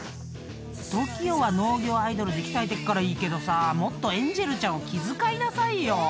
［ＴＯＫＩＯは農業アイドルで鍛えてっからいいけどさもっとエンジェルちゃんを気遣いなさいよ］